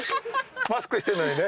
マスクしてるのにね。